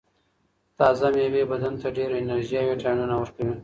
تازه مېوې بدن ته ډېره انرژي او ویټامینونه ورکوي.